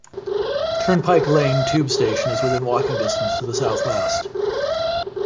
Turnpike Lane tube station is within walking distance to the south west.